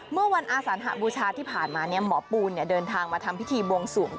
เมื่อวันอาสานหบูชาที่ผ่านมาหมอปูนเดินทางมาทำพิธีบวงสวง